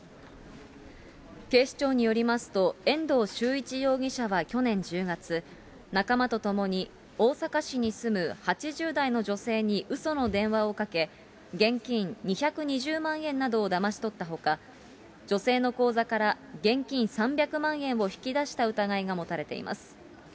警視庁によりますと、遠藤修一容疑者は去年１０月、仲間とともに、大阪市に住む８０代の女性にうその電話をかけ、現金２２０万円などをだまし取ったほか、女性の口座から現金３００万円を引き出した疑いが持たれています。